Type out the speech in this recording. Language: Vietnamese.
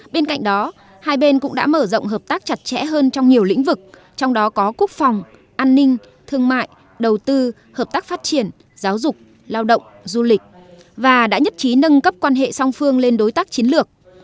bên cạnh đó hai bên cũng đã mở rộng hợp tác chặt chẽ hơn trong nhiều lĩnh vực trong đó có quốc phòng an ninh thương mại đầu tư hợp tác phát triển giáo dục lao động du lịch và đã nhất trí nâng cấp quan hệ song phương lên đối tác chiến lược